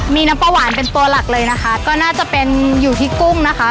มีน้ำปลาหวานเป็นตัวหลักเลยนะคะก็น่าจะเป็นอยู่ที่กุ้งนะคะ